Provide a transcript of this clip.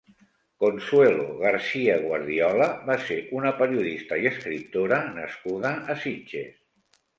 Consuelo García Guardiola va ser una periodista i escriptora nascuda a Sitges.